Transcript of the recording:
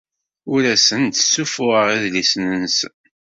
Ur asen-d-ssuffuɣeɣ idlisen-nsen.